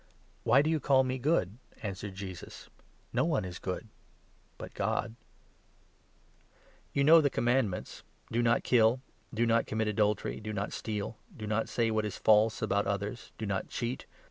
"Why do you call me good?" answered Jesus. " No one 18 is good but God. You know the commandments — 19 ' Do not kill. Do not commit adultery. Do not steal. Do not say what is false about others. Do not cheat.